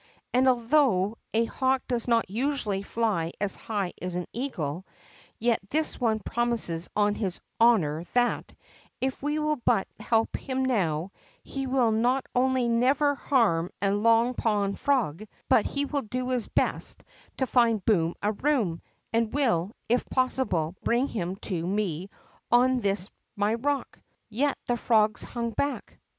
And, although a hawk does not usually fly as high as an eagle, yet this one promises on his honor that, if we will but help him now, he will not only never harm a Long Pond frog, hut he will do his best to find Boom a Koom, and will, if possible, bring him to me, on this my rock." Yet the frogs hung hack.